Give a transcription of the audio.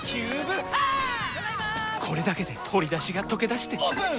これだけで鶏だしがとけだしてオープン！